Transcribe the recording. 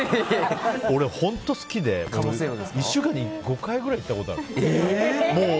俺、本当好きで１週間で５回くらい行ったことある。